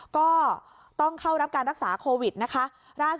ก็ต้องเข้ารับการรักษาโควิดนะคะ